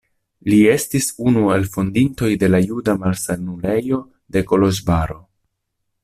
Li estis unu el fondintoj de la Juda Malsanulejo de Koloĵvaro.